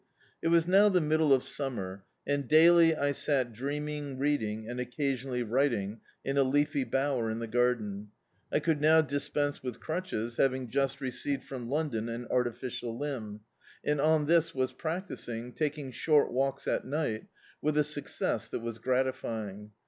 It was now the middle of Summer, and daily I sat dreaming, reading, and occasi<mally writing in a leafy bower in the garden. I could now dispense with crutches, having just received from London an artificial limb, and on this was practising, taking short walks at night, with a success that was gratify ing.